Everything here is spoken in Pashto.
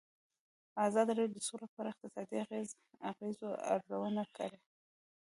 ازادي راډیو د سوله په اړه د اقتصادي اغېزو ارزونه کړې.